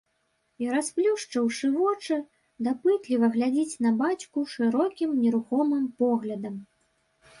І, расплюшчыўшы вочы, дапытліва глядзіць на бацьку шырокім нерухомым поглядам.